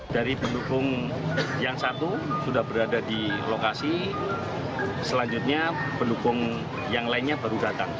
dari pendukung yang satu sudah berada di lokasi selanjutnya pendukung yang lainnya baru datang